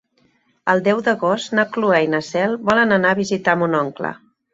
El deu d'agost na Cloè i na Cel volen anar a visitar mon oncle.